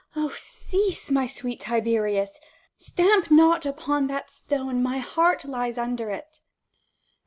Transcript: Oh cease, my sweet Tiberius ! Stamp not upon that stone : my heart lies under it.